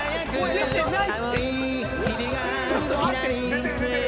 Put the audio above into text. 出てる、出てる。